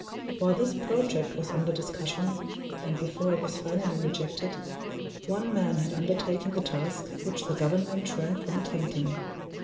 While this project was under discussion, and before it was finally rejected, one man had undertaken the task which the Government shrank from attempting.